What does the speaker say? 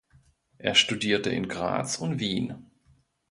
Er studierte in Graz und Wien.